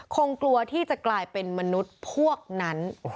คงกลัวที่จะกลายเป็นมนุษย์พวกนั้น